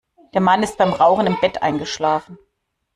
Der Mann ist beim Rauchen im Bett eingeschlafen.